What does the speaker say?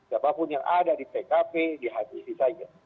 siapapun yang ada di pkp di hpc saja